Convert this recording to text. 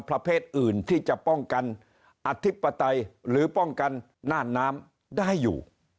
ประเภทอื่นที่จะป้องกันอธิปไตยหรือป้องกันน่านน้ำได้อยู่